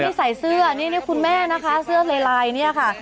ใส่เสื้อนี่คุณแม่นะคะเสื้อลายเนี่ยค่ะ